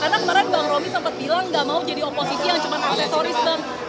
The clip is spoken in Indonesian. karena kemarin bang romi sempat bilang gak mau jadi oposisi yang cuma aksesoris bang